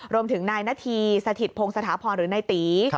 รวมถึงนายนาธีสถิตพงศถาพรหรือนายตี